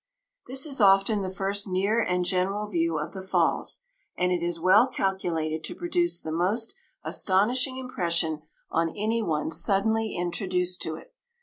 This is often the first near and general view of the Falls, and it is well calculated to produce the most astonishing impression on any one suddenly introduced to it.